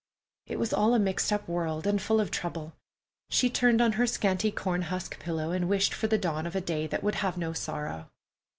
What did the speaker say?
It was all a mixed up world, and full of trouble. She turned on her scanty corn husk pillow and wished for the dawn of a day that would have no sorrow.